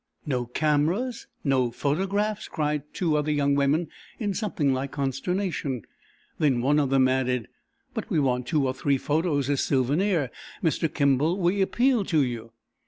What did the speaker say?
"No cameras! No photographs?" cried two other young women, in something like consternation. Then one of them added: "But we want two or three photos as souvenirs Mr. Kimball, we appeal to you."